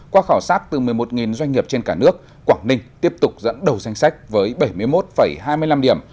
qua khảo sát từ một mươi một doanh nghiệp trên cả nước quảng ninh tiếp tục dẫn đầu danh sách với bảy mươi một hai mươi năm điểm